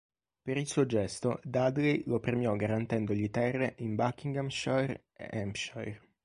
Per il suo gesto Dudley lo premiò garantendogli terre in Buckinghamshire e Hampshire.